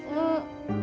mau coba nggak